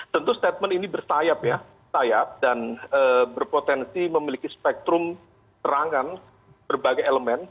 tentu statement ini bersayap ya sayap dan berpotensi memiliki spektrum terangan berbagai elemen